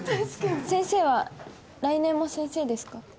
先生は来年も先生ですか？